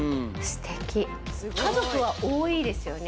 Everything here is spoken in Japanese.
家族は多いですよね。